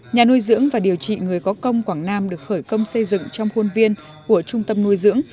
nhà nuôi dưỡng và điều trị người có công quảng nam được khởi công xây dựng trong khuôn viên của trung tâm nuôi dưỡng